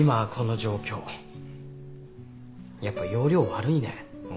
やっぱ要領悪いね俺。